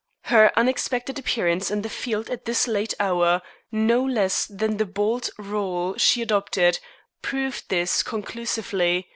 Her unexpected appearance in the field at this late hour, no less than the bold rôle she adopted, proved this conclusively.